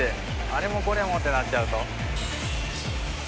あれもこれもってなっちゃうと。